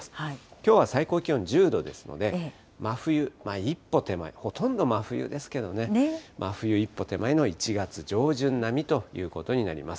きょうは最高気温１０度ですので、真冬一歩手前、ほとんど真冬ですけどね、真冬一歩手前の１月上旬並みということになります。